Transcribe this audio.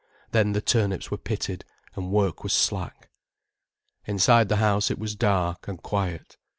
Then the turnips were pitted and work was slack. Inside the house it was dark, and quiet.